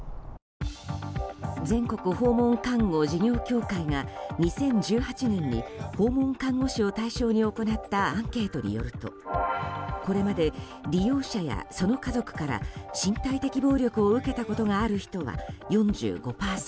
全国訪問看護事業協会が２０１８年に訪問看護師を対象に行ったアンケートによるとこれまで利用者やその家族から身体的暴力を受けたことがある人は４５％